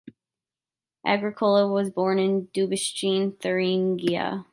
Agricola was born in Dobitschen, Thuringia.